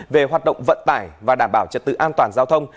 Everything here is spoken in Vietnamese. về hoạt động vận tải và đảm bảo trật tự an toàn giao thông